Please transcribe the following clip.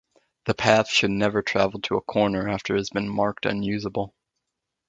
The path should never travel to a corner after it has been marked unusable.